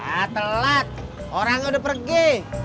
ah telat orangnya udah pergi